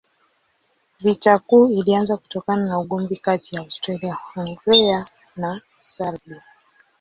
Vita Kuu ilianza kutokana na ugomvi kati ya Austria-Hungaria na Serbia.